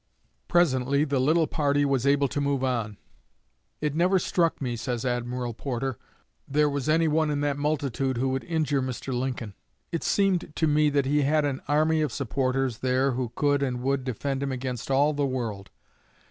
Presently the little party was able to move on. "It never struck me," says Admiral Porter, "there was anyone in that multitude who would injure Mr. Lincoln; it seemed to me that he had an army of supporters there who could and would defend him against all the world.